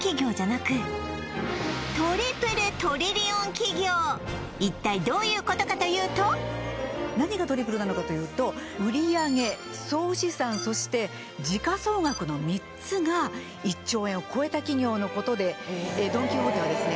しかも一体どういうことかというと何がトリプルなのかというと売上総資産そして時価総額の３つが１兆円を超えた企業のことでドン・キホーテはですね